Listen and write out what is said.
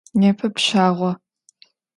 Непэ пщагъо.